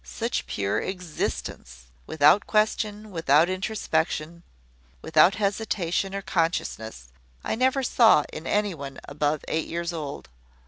Such pure existence, without question, without introspection, without hesitation or consciousness, I never saw in any one above eight years old.